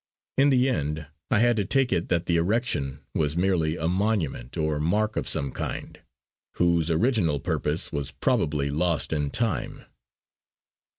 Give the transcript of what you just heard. In the end I had to take it that the erection was merely a monument or mark of some kind, whose original purpose was probably lost in time.